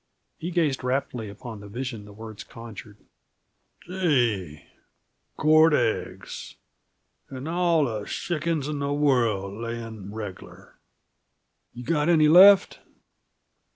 He gazed raptly upon the vision the words conjured. "Gee! Quart aigs 'n' all the shickens in the worl' layin' reg'lar!" "Have you got any left?"